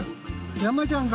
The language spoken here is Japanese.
山ちゃんか！